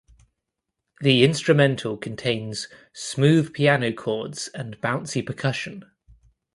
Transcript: The instrumental contains "smooth piano chords and bouncy percussion".